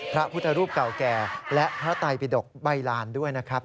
พระพุทธรูปเก่าแก่และพระไตปิดกใบลานด้วยนะครับ